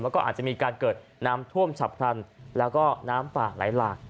แล้วก็อาจจะมีการเกิดน้ำท่วมฉับพลันแล้วก็น้ำป่าไหลหลาก